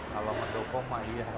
kalau mendukung mah iya